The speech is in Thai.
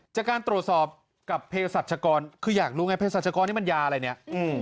จากการตรวจสอบกับเพศรัชกรคืออยากรู้ไงเพศรัชกรนี่มันยาอะไรเนี่ย